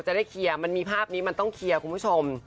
จะได้เคลียร์มันมีภาพนี้มันต้องเคลียร์คุณผู้ชม